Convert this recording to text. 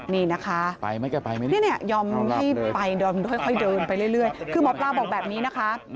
นี่นะคะยอมให้ไปเดินค่อยเดินไปเรื่อยคือหมอปลาบอกแบบนี้นะคะ